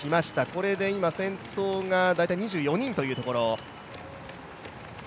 これで今、先頭が大体２４人というところ。